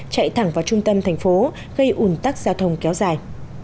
chạy thẳng vào trung tâm thành phố gây ủn tắc giao thông kéo dài